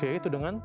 kayak gitu dengan